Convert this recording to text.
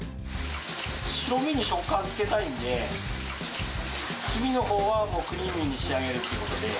白身に食感つけたいんで、黄身のほうはクリーミーに仕上げるということで。